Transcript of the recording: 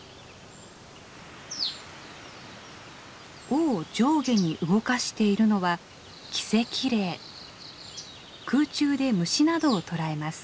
尾を上下に動かしているのは空中で虫などを捕らえます。